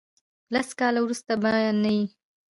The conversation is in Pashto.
لس کاله ورسته به نه یی.